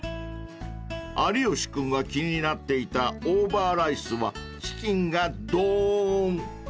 ［有吉君が気になっていたオーバーライスはチキンがどーん］